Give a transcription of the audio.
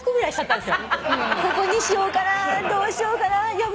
ここにしようかなどうしようかないや